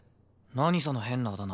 何その変なあだ名。